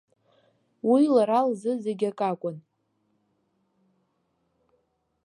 Уи лара лзы зегь акакәын.